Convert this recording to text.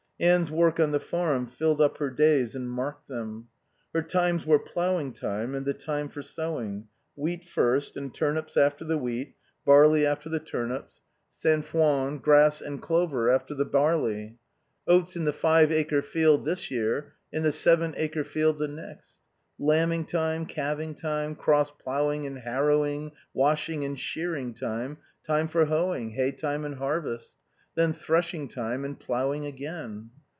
Anne's work on the farm filled up her days and marked them. Her times were ploughing time and the time for sowing: wheat first, and turnips after the wheat, barley after the turnips, sainfoin, grass and clover after the barley. Oats in the five acre field this year; in the seven acre field the next. Lambing time, calving time, cross ploughing and harrowing, washing and shearing time, time for hoeing; hay time and harvest. Then threshing time and ploughing again.